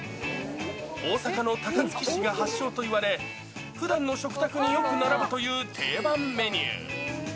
大阪の高槻市が発祥といわれ、ふだんの食卓によく並ぶという定番メニュー。